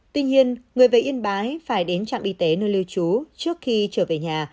tuy nhiên người về yên bái phải đến trạm y tế nơi lưu trú trước khi trở về nhà